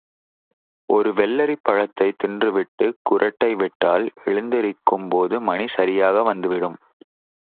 ஒரு வெள்ளரிப் பழத்தைத் தின்றுவிட்டுக் குறட்டைவிட்டால் எழுந்திருக்கும் போது மணி சரியாக வந்துவிடும்